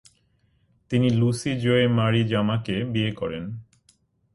তিনি ল্যুসি জোয়ে মারি জামাঁ-কে বিয়ে করেন।